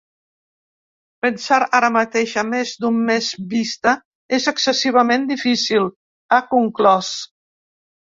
Pensar ara mateix a més d’un mes vista és excessivament difícil, ha conclòs.